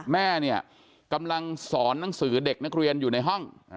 แม่เนี่ยกำลังสอนหนังสือเด็กนักเรียนอยู่ในห้อง